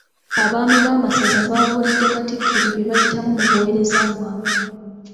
Abaami b'amasaza babuulidde Katikkiro bye bayitamu mu buweereza bwabwe.